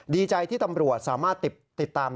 ดีใจที่ตำรวจสามารถติดตาม